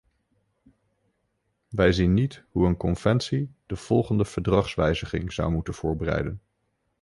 Wij zien niet hoe een conventie de volgende verdragswijziging zou moeten voorbereiden.